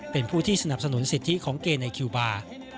เป็นผู้ที่สนับสนุนสิทธิของเกในคิวบาร์